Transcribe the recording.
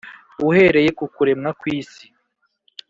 uhereye ku kuremwa kw’isi,